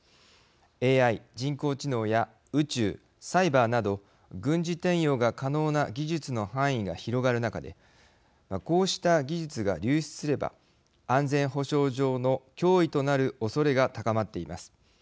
ＡＩ＝人工知能や宇宙、サイバーなど軍事転用が可能な技術の範囲が広がる中でこうした技術が流出すれば安全保障上の脅威となるおそれが高まっています。